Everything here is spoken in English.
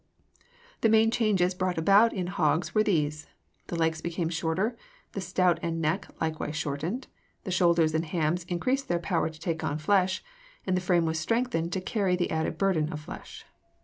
The main changes brought about in hogs were these: the legs became shorter, the snout and neck likewise shortened, the shoulders and hams increased their power to take on flesh, and the frame was strengthened to carry the added burden of flesh.